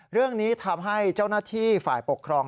เรื่องนี้ทำให้เจ้าหน้าที่ฝ่ายปกครอง